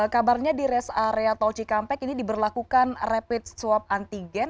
kabarnya di res area tauci kampek ini diberlakukan rapid swab antigen